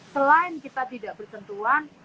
selain kita tidak bersentuhan